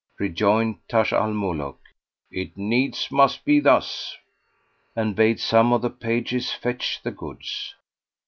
Rejoined Taj al Muluk "It needs must be thus!"; and bade some of the pages fetch the goods.